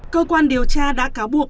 cơ quan điều tra đã cáo buộc